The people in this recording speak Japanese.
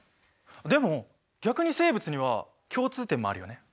でも逆に生物には共通点もあるよね。